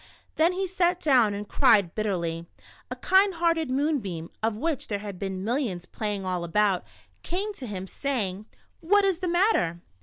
Then he sat down and cried bitterly. A kind hearted moonbeam, of which there had been mil lions playing all about, came to him, saying :" What is the matter